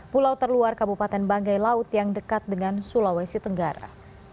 pulau terluar kabupaten banggai laut yang dekat dengan sulawesi tenggara